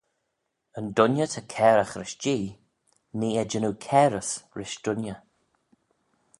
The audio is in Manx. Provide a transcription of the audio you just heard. "Yn dooinney ta cairagh rish Jee; nee eh jannoo cairys rish dooinney."